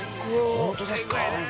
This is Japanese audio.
◆本当ですか。